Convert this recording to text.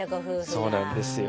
そうなんですよ。